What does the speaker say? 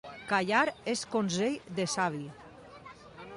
Callar és consell de savi.